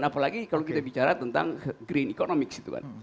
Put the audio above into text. terutama lagi kalau kita bicara tentang green economics